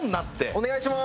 お願いしまーす！